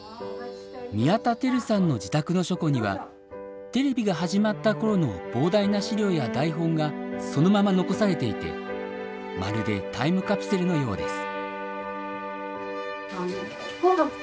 宮田輝さんの自宅の書庫にはテレビが始まった頃の膨大な資料や台本がそのまま残されていてまるでタイムカプセルのようです。